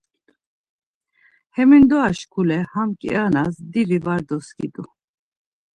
Hemindora şkule ham kianas divi var doskidu.